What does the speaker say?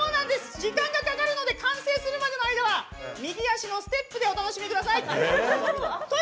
時間がかかるので完成するまでの間は右足のステップでお楽しみください。